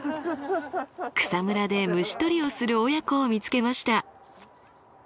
草むらで虫とりをする親子を見つけました。